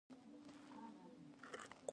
شا و خوا نږدې کورونه، موټر او خلک نه ښکارېدل.